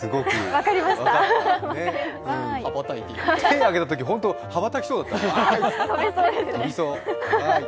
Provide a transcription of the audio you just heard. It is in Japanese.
手挙げたとき、本当に羽ばたきそうだった、飛びそう。